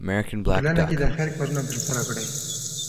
په ټولنه کې د خیر کارونه ترسره کړئ.